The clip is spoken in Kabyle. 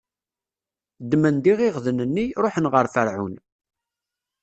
Ddmen-d iɣiɣden-nni, ṛuḥen ɣer Ferɛun.